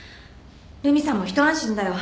留美さんも一安心だよ。